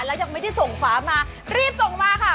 แล้วยังไม่ได้ส่งฝามารีบส่งมาค่ะ